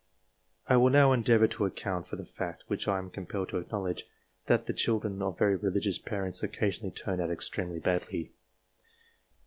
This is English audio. I will now endeavour to account for the fact, which I am compelled to acknowledge, that the children ,of very reli gious parents occasionally turn out extremely badly.